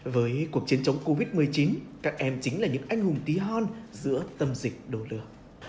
với cuộc chiến chống covid một mươi chín các em chính là những anh hùng tí hon giữa tâm dịch đồ lửa